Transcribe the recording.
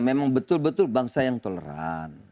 memang betul betul bangsa yang toleran